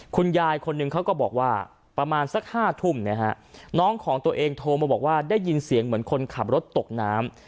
คุณยายคนหนึ่งเขาก็บอกว่าประมาณสัก๕ทุ่มนะฮะน้องของตัวเองโทรมาบอกว่าได้ยินเสียงเหมือนคนขับรถตกน้ำ